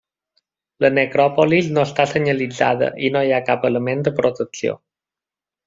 La necròpolis no està senyalitzada i no hi ha cap element de protecció.